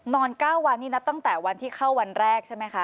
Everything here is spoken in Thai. นอน๙วันนี้นับตั้งแต่วันที่เข้าวันแรกใช่ไหมคะ